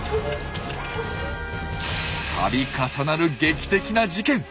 度重なる劇的な事件！